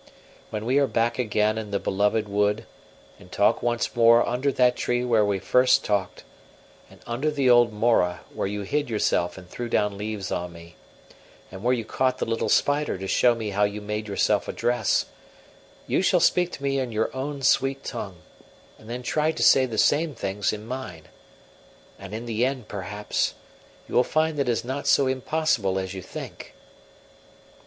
When we are back again in the beloved wood, and talk once more under that tree where we first talked, and under the old mora, where you hid yourself and threw down leaves on me, and where you caught the little spider to show me how you made yourself a dress, you shall speak to me in your own sweet tongue, and then try to say the same things in mine.... And in the end, perhaps, you will find that it is not so impossible as you think."